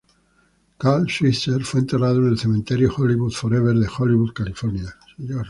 Carl Switzer fue enterrado en el Cementerio Hollywood Forever de Hollywood, California.